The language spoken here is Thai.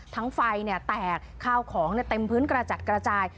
ทั้งไฟเนี่ยแตกข้าวของเนี่ยเต็มพื้นกระจัดกระจาย